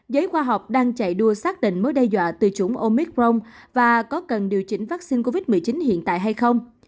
giới khoa học đang chạy đua xác định mối đe dọa từ chủng omicron và có cần điều chỉnh vaccine covid một mươi chín hiện tại hay không